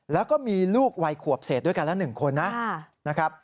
แล้วก็มีลูกวัยขวบเสร็จด้วยกันละ๑คนนะ